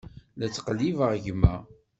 La ttqellibeɣ gma.